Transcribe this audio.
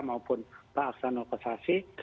maupun pak asanul kostasi